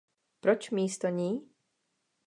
Proč místo ní?